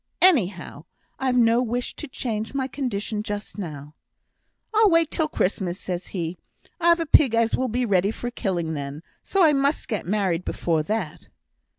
Anyhow, I've no wish to change my condition just now.' 'I'll wait till Christmas,' says he. 'I've a pig as will be ready for killing then, so I must get married before that.'